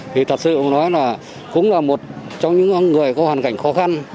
thì thật sự cũng là một trong những người có hoàn cảnh khó khăn